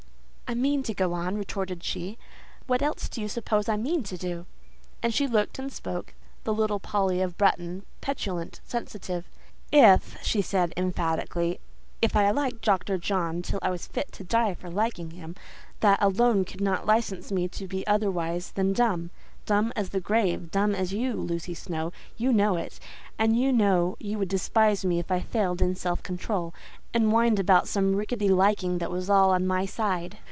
"I mean to go on," retorted she; "what else do you suppose I mean to do?" And she looked and spoke—the little Polly of Bretton—petulant, sensitive. "If," said she, emphatically, "if I liked Dr. John till I was fit to die for liking him, that alone could not license me to be otherwise than dumb—dumb as the grave—dumb as you, Lucy Snowe—you know it—and you know you would despise me if I failed in self control, and whined about some rickety liking that was all on my side."